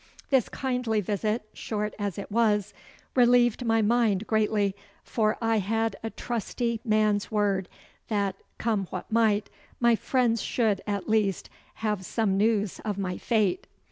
This kindly visit, short as it was, relieved my mind greatly, for I had a trusty man's word that, come what might, my friends should, at least, have some news of my fate.